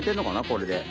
これで。